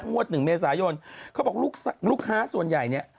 งวดหนึ่งเมษายนเขาบอกลูกค้าส่วนใหญ่เนี่ย